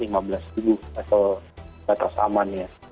itu batas amannya